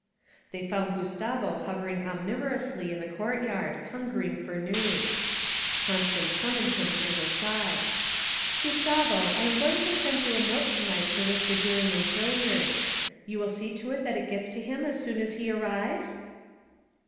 They found Gustavo hovering omnivorously in the courtyard, hungering for news; Constance summoned him to her side. 'Gustavo, I am going to send you a note to night for Mr. Jerymn Hilliard. You will see that it gets to him as soon as he arrives?'